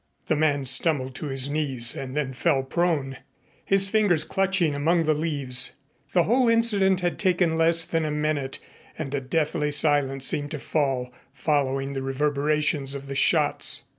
The man stumbled to his knees and then fell prone, his fingers clutching among the leaves. The whole incident had taken less than a minute, and a deathly silence seemed to fall, following the reverberations of the shots.